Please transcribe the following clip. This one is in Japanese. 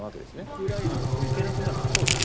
ウクライナが行けなくなるということですね。